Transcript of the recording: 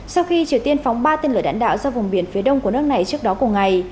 sau khi triều tiên phóng ba tên lửa đạn đạo ra vùng biển phía đông của nước này trước đó cùng ngày